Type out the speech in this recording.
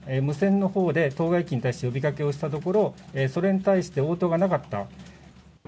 無線の方で当該機に対して呼びかけをしたところ、それに対して応答がなかった。